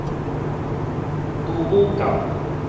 豬母教